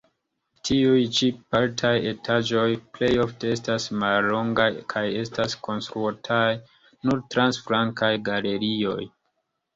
Tiuj ĉi partaj etaĝoj plejofte estas mallongaj kaj estas konstruataj nur trans flankaj galerioj.